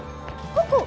ここ！